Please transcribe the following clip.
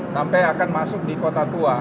sampai akan masuk di kota tua